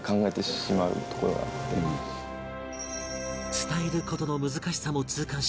伝える事の難しさも痛感し